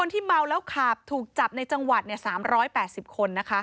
ที่เมาแล้วขับถูกจับในจังหวัด๓๘๐คน